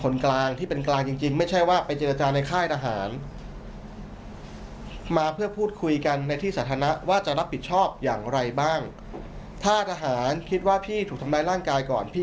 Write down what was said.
ไม่ใช่ไปเจรจาในที่รับ